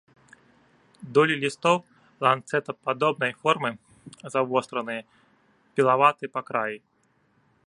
Долі лістоў ланцэтападобнай формы, завостраныя, пілаватыя па краі.